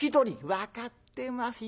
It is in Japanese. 「分かってますよ。